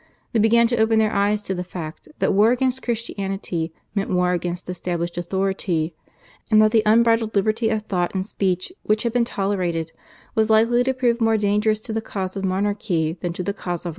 They began to open their eyes to the fact that war against Christianity meant war against established authority, and that the unbridled liberty of thought and speech which had been tolerated was likely to prove more dangerous to the cause of monarchy than to the cause of religion.